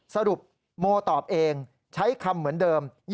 สรุปโมตอบเองใช้คำเหมือนเดิม